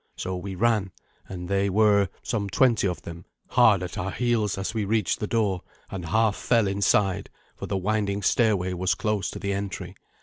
So we ran, and they were, some twenty of them, hard at our heels as we reached the door, and half fell inside, for the winding stairway was close to the entry.